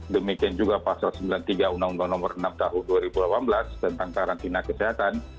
demikian juga pasal sembilan puluh tiga undang undang nomor enam tahun dua ribu delapan belas tentang karantina kesehatan